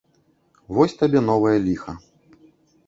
Вось табе новае ліха.